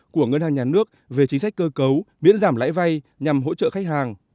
của ngân hàng nhà nước về chính sách cơ cấu miễn giảm lãi vay nhằm hỗ trợ khách hàng